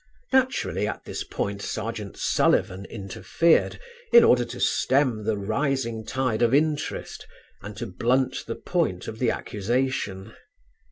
Naturally at this point Serjeant Sullivan interfered in order to stem the rising tide of interest and to blunt the point of the accusation.